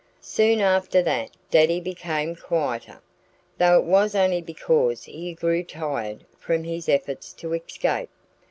Soon after that Daddy became quieter, though it was only because he grew tired from his efforts to escape.